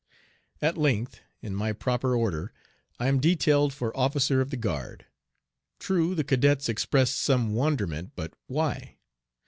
At length, in my proper order, I am detailed for officer of the guard. True, the cadets expressed some wonderment, but why?